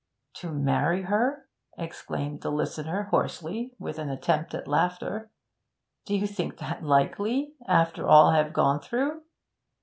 'To marry her?' exclaimed the listener hoarsely, with an attempt at laughter. 'Do you think that likely after all I have gone through?'